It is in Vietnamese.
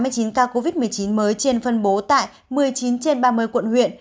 hai mươi chín ca covid một mươi chín mới trên phân bố tại một mươi chín trên ba mươi quận huyện